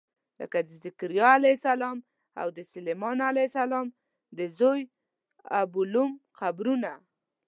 لکه د ذکریا علیه السلام او د سلیمان علیه السلام د زوی ابولوم قبرونه.